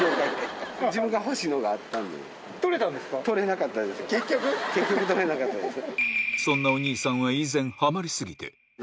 続いて結局取れなかったです。